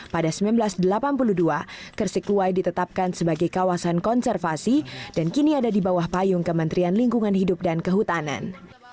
pada seribu sembilan ratus delapan puluh dua kersikluwai ditetapkan sebagai kawasan konservasi dan kini ada di bawah payung kementerian lingkungan hidup dan kehutanan